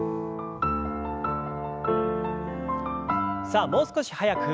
さあもう少し速く。